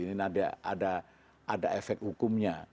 ini ada efek hukumnya